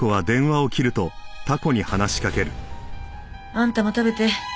あんたも食べて。